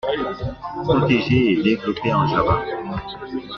Protégé est développé en Java.